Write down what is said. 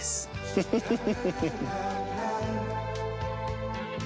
フフフフ。